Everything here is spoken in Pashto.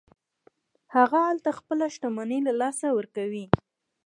هغه هلته خپله شتمني له لاسه ورکوي.